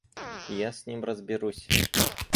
Я с ним разберусь.